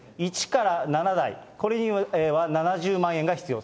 １から７代、これには７０万円が必要。